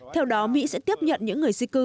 theo đó mỹ sẽ tiếp nhận những người di cư